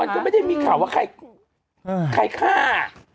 ก็ไม่ได้มีข่าวว่าใครฆ่า